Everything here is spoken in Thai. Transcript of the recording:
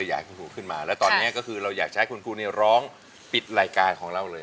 อยากให้คุณครูขึ้นมาแล้วตอนนี้ก็คือเราอยากจะให้คุณครูเนี่ยร้องปิดรายการของเราเลย